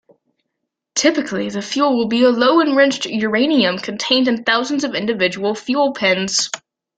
Typically, the fuel will be low-enriched uranium contained in thousands of individual fuel pins.